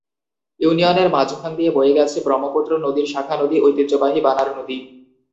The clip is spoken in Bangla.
ইউনিয়নের মাঝখান দিয়ে বয়ে গেছে ব্রহ্মপুত্র নদীর শাখা নদী ঐতিহ্যবাহী বানার নদী।